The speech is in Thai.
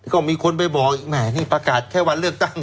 ก็มีคนไปบอกอีกแหมนี่ประกาศแค่วันเลือกตั้ง